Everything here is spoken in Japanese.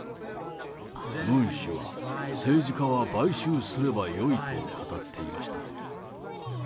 ムン氏は政治家は買収すればよいと語っていました。